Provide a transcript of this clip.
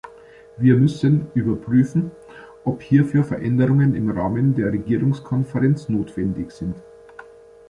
Wir müssen überprüfen, ob hierfür Veränderungen im Rahmen der Regierungskonferenz notwendig sind.